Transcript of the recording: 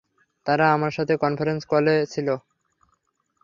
তারা আমার সাথে কনফারেন্স কলে ছিল।